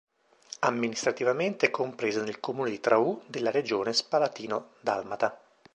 Amministrativamente è compresa nel comune di Traù della regione spalatino-dalmata.